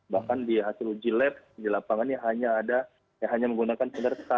bahkan di hasil uji lab di lapangan ini hanya ada yang hanya menggunakan standar k tujuh puluh